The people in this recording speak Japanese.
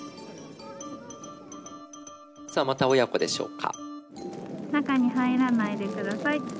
さあまた親子でしょうか。